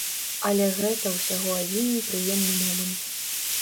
Але гэта ўсяго адзін непрыемны момант.